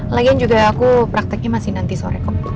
lagian juga aku prakteknya masih nanti sore kok